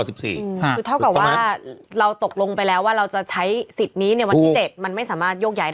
คือเท่ากับว่าเราตกลงไปแล้วว่าเราจะใช้สิทธิ์นี้ในวันที่๗มันไม่สามารถโยกย้ายได้